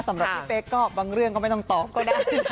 สำหรับพี่เป๊กก็บางเรื่องก็ไม่ต้องตอบก็ได้